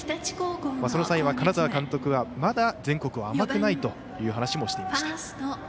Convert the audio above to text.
この際は金沢監督はまだ全国は甘くないと話をしていました。